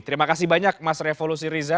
terima kasih banyak mas revolusi riza